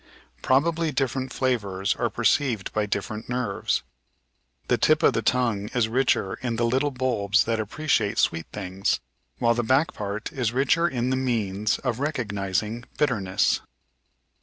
Probably different flavours are perceived by different nerves. The tip of the tongue is richer in the little bulbs that appreciate sweet things, while the back part is richer in the means of recog nising bitterness.